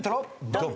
ドン！